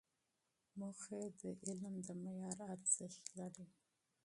موخې د علم د معیار ارزښت لري.